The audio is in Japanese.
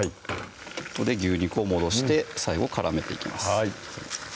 ここで牛肉を戻して最後絡めていきます